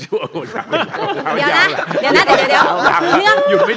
ช่วยคุณเวลา